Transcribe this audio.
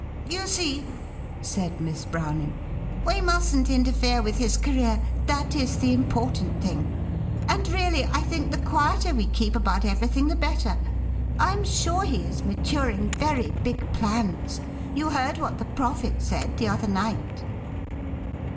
"You see," said Miss Browning, "we mustn't inter fere with his career ; that is the important thing. And, really, I think the quieter we keep about everything the better. I am sure he is maturing very big plans. You heard what the Prophet said the other night?"